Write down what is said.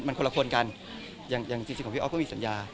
มันคนละคนกันอย่างจริงของพี่อ๊อปก็มีสัญญา